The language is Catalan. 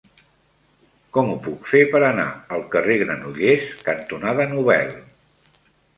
Com ho puc fer per anar al carrer Granollers cantonada Nobel?